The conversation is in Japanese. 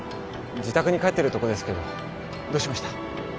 自宅に帰ってるとこですけどどうしました？